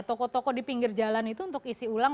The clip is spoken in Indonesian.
toko toko di pinggir jalan itu untuk isi ulang